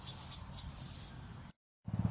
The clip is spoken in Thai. ทุกวันใหม่ทุกวันใหม่